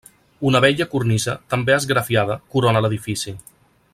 Una bella cornisa, també esgrafiada, corona l'edifici.